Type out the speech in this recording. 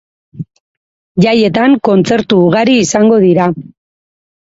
Jaietan kontzertu ugari izango dira.